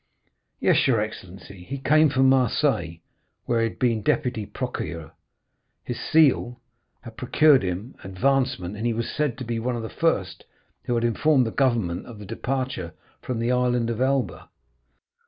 "Yes, your excellency; he came from Marseilles, where he had been deputy procureur. His zeal had procured him advancement, and he was said to be one of the first who had informed the government of the departure from the Island of Elba."